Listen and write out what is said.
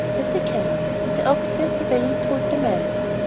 said the Camel; and the Ox went away and told the Man.